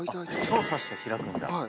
操作して開くんだ。